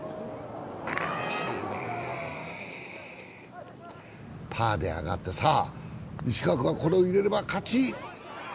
惜しい、パーで上がって、さあ、石川君がこれを入れれば勝ち。